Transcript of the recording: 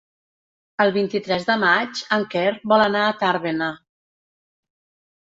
El vint-i-tres de maig en Quer vol anar a Tàrbena.